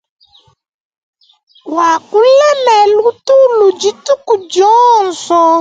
Wakule ne lutulu dituku dionso.